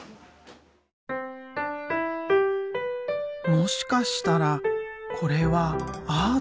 もしかしたらこれはアート？